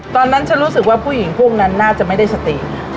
ตอนนั้นฉันรู้สึกว่าผู้หญิงพวกนั้นน่าจะไม่ได้สติ